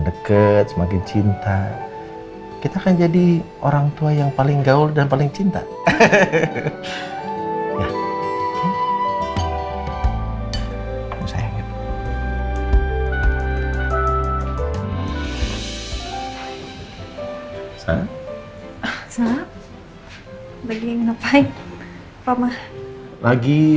deket semakin cinta kita kan jadi orangtua yang paling gaul dan paling cinta hahaha